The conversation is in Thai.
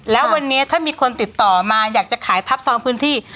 แล้ววันนี้ถ้ามีคนติดต่อมาอยากจะขายทับซองพื้นที่